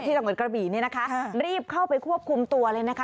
ที่สำหรับกระบีนี่นะคะรีบเข้าไปควบคุมตัวเลยนะคะ